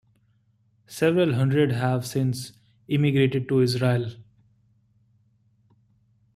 Several hundred have since emigrated to Israel.